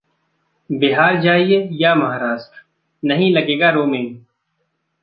बिहार जाइये या महाराष्ट्र नहीं लगेगा रोमिंग